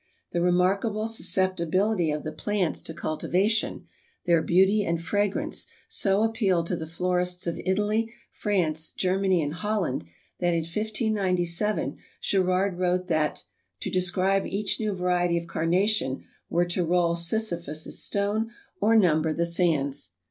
The remarkable susceptibility of the plants to cultivation, their beauty and fragrance, so appealed to the florists of Italy, France, Germany and Holland that in 1597 Gerard wrote that "to describe each new variety of Carnation were to roll Sisyphus' stone or number the sands."